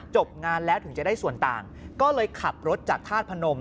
จบงานแล้วถึงจะได้ส่วนต่างก็เลยขับรถจากธาตุพนม